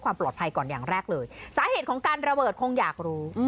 ความปลอดภัยก่อนอย่างแรกเลยสาเหตุของการระเบิดคงอยากรู้